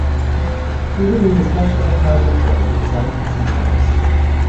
Even in this much less powerful form the design had some promise.